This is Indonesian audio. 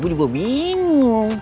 bu juga bingung